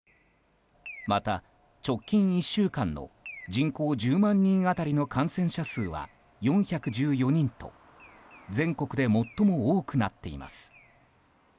また、直近１週間の人口１０万人当たりの感染者数は４１４人と全国で最も多くなっています。